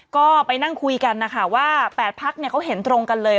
ก็ไปนั่งคุยกันนะคะว่า๘พักเขาเห็นตรงกันเลย